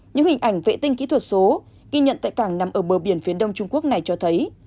những hình ảnh vệ tinh kỹ thuật số ghi nhận tại cảng nằm ở bờ biển phía đông trung quốc này cho thấy